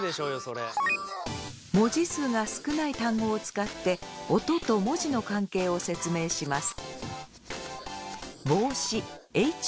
文字数が少ない単語を使って音と文字の関係を説明します。